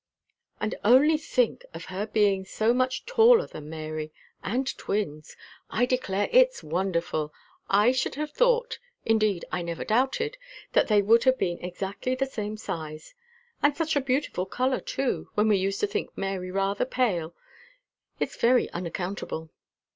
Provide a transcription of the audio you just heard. "And only think of her being so much taller than Mary, and twins! I declare it's wonderful I should have thought, indeed I never doubted, that they would have been exactly the same size. And such a beautiful colour too, when we used to think Mary rather pale; it's very unaccountable!"